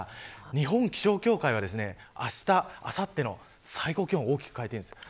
日本気象協会はあした、あさっての最高気温を大きく変えています。